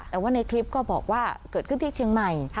แต่ว่าในคลิปก็บอกว่าเกิดขึ้นที่เชียงใหม่